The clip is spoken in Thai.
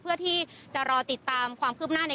เพื่อที่จะรอติดตามความคืบหน้าใน